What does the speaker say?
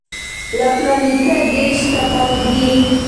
له پلار نیکه ډېر شته پاتې دي.